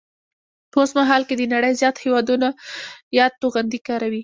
په اوسمهال کې د نړۍ زیات هیوادونه یاد توغندي کاروي